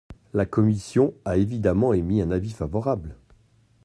La commission a évidemment émis un avis favorable.